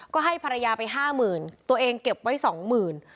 ก็ให้ภรรยาไปห้าหมื่นตัวเองเก็บไว้สองหมื่น